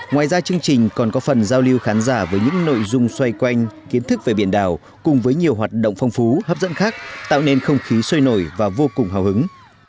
ngoài ra chương trình còn có phần giao lưu khán giả với những nội dung xoay quanh kiến thức về biển đảo cùng với nhiều hoạt động phong phú hấp dẫn khác tạo nên không khí sôi nổi và vô cùng hào hứng